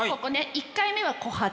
１回目はコハダ。